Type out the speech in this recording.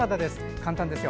簡単ですよ。